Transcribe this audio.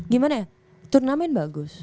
gimana ya turnamen bagus